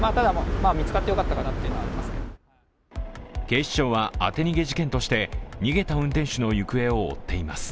警視庁は当て逃げ事件として逃げた運転手の行方を追っています。